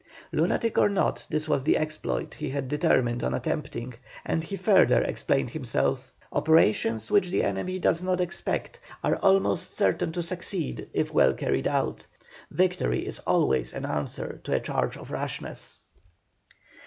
Lunatic or not, this was the exploit he had determined on attempting, and he further explained himself. "Operations which the enemy does not expect are almost certain to succeed if well carried out. Victory is always an answer to a charge of rashness."